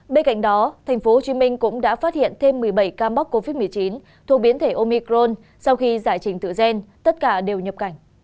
bên cạnh đó tp hcm cũng đã phát hiện thêm một mươi bảy ca mắc covid một mươi chín thuộc biến thể omicron sau khi giải trình tự gen tất cả đều nhập cảnh